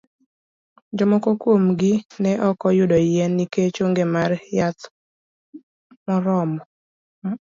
Jomoko kuom gi ne ok oyudo yien nikech onge mar yath morormo.